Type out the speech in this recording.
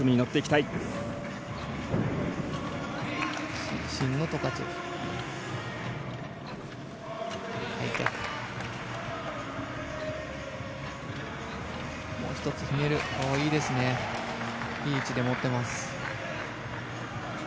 いい位置で持ってます。